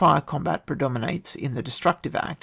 As the fire combat predominates in the destructive act.